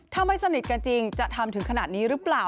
ถ้าไม่สนิทกันจริงจะทำถึงขนาดนี้หรือเปล่า